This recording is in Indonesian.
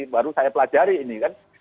baru saya pelajari ini kan